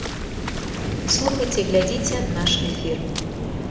Слухайце і глядзіце наш эфір.